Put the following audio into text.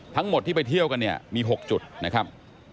ทั้งหมดที่ไปเที่ยวกันเนี่ยมี๖จุดนะครับ